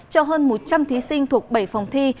cho hơn một trăm linh thí sinh thuộc bảy phòng thi